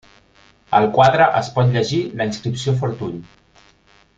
Al quadre es pot llegir la inscripció Fortuny.